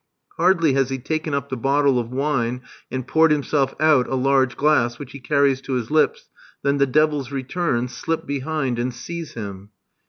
Hardly has he taken up the bottle of wine, and poured himself out a large glass, which he carries to his lips, than the devils return, slip behind, and seize him.